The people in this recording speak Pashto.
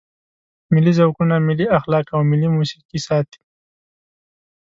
ملي ذوقونه، ملي اخلاق او ملي موسیقي ساتي.